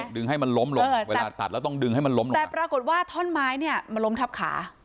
ดึงให้มันล้มลงเวลาตัดแล้วต้องดึงให้มันล้มลงแต่ปรากฏว่าท่อนไม้เนี่ยมันล้มทับขา